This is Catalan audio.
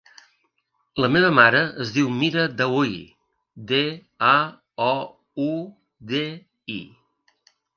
La meva mare es diu Mira Daoudi: de, a, o, u, de, i.